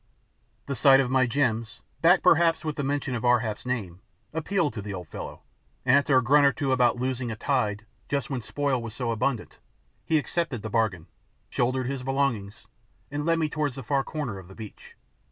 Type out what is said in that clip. The sight of my gems, backed, perhaps, with the mention of Ar hap's name, appealed to the old fellow; and after a grunt or two about "losing a tide" just when spoil was so abundant, he accepted the bargain, shouldered his belongings, and led me towards the far corner of the beach.